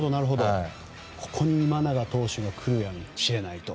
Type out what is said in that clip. ここに今永投手が来るかもしれないと。